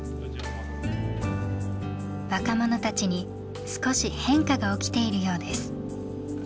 若者たちに少し変化が起きているようです。